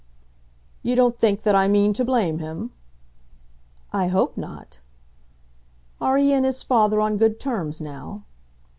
"You don't think that I meant to blame him?" "I hope not." "Are he and his father on good terms now?"